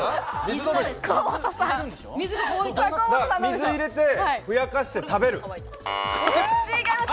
水入れてふやかして食べる。